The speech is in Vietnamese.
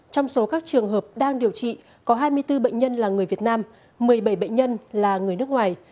trong số các trường hợp đang điều trị có hai mươi bốn bệnh nhân là người việt nam một mươi bảy bệnh nhân là người nước ngoài